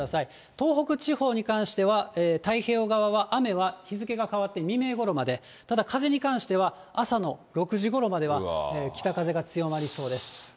東北地方に関しては、太平洋側は雨は日付が変わって未明ごろまで、ただ風に関しては、朝の６時ごろまでは北風が強まりそうです。